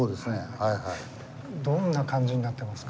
どんな感じになってますか？